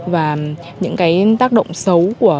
và những cái tác động xấu của